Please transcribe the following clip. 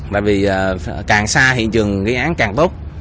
bởi vì càng xa hiện trường gây án càng tốt